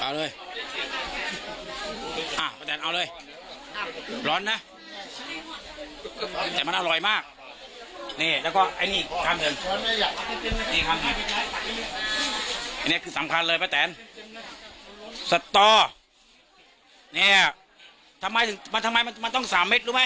เอาเลยเอาเลยร้อนนะแต่มันอร่อยมากเนี่ยแล้วก็ไอ้นี่อีกคันเถิดนี่คันหน่อยไอ้เนี่ยคือสัมพันธ์เลยพระแตนสต้อเนี่ยทำไมมันทำไมมันมันต้องสามเม็ดรู้ไหม